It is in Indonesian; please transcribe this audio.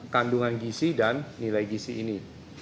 kandungan gisi dan nilai gisi ini